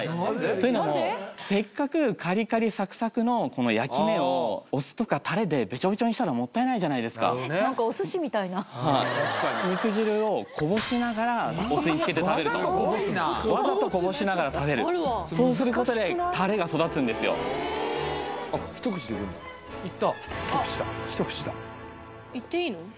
というのもせっかくカリカリサクサクのこの焼き面をお酢とかタレでベチョベチョにしたらもったいないじゃないですか何かお寿司みたいな肉汁をこぼしながらお酢につけて食べるとわざとこぼしながら食べるそうすることでタレが育つんですよあっ一口でいった・一口だ一口だいっていいの？